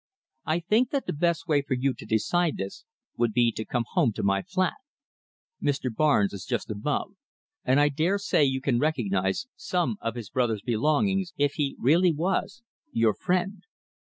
I think that the best way for you to decide this would be to come home to my flat. Mr. Barnes' is just above, and I dare say you can recognize some of his brother's belongings, if he really was your friend."